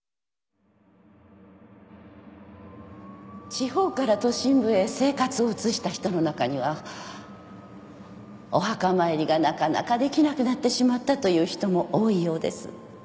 地方から都心部へ生活を移した人の中にはお墓参りがなかなかできなくなってしまったという人も多いようです。